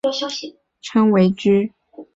动差又被称为矩。